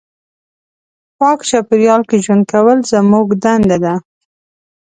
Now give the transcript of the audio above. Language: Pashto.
پاک چاپېریال کې ژوند کول زموږ دنده ده.